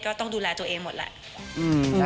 ก็ต้องดูแลตัวเองหมดแหละ